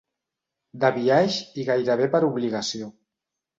De biaix i gairebé per obligació.